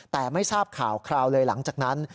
แต่ไม่ทราบข่าวคราวเลยหลังจากนั้น